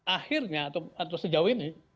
akhirnya atau sejauh ini